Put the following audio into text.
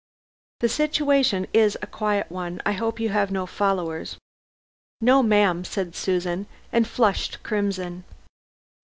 "The situation is a quiet one. I hope you have no followers." "No, ma'am," said Susan and flushed crimson.